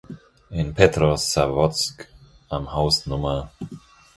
In Petrosawodsk am Haus Nr.